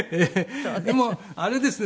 でもあれですね。